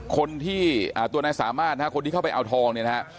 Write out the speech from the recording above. คนที่ตัวนายสามารถนะฮะคนที่เข้าไปเอาทองเนี่ยนะฮะ